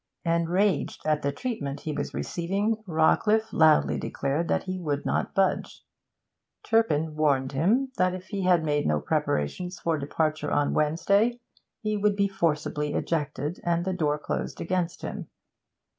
Enraged at the treatment he was receiving, Rawcliffe loudly declared that he would not budge. Turpin warned him that if he had made no preparations for departure on Wednesday he would be forcibly ejected, and the door closed against him.